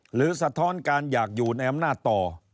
สะท้อนการอยากอยู่ในอำนาจต่อ